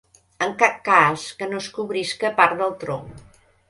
En cap cas, que no es cobrisca part del tronc.